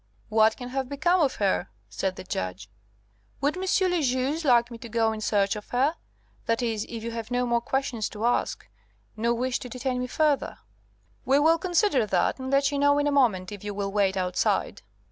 "What can have become of her?" said the Judge. "Would M. le Juge like me to go in search of her? That is, if you have no more questions to ask, no wish to detain me further?" "We will consider that, and let you know in a moment, if you will wait outside."